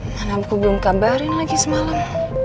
mana aku belum kabarin lagi semalam